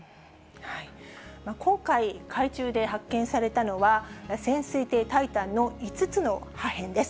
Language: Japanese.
今回、海中で発見されたのは、潜水艇タイタンの５つの破片です。